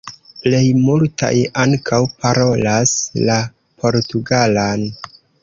Plej multaj ankaŭ parolas la portugalan.